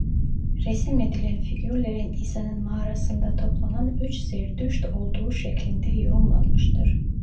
Resim edilen figürlerin İsa'nın mağarasında toplanan üç Zerdüşt olduğu şeklinde yorumlanmıştır.